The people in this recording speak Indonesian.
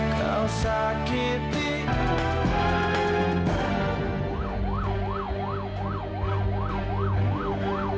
tolong di situ